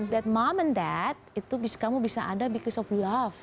that mom and dad itu kamu bisa ada because of love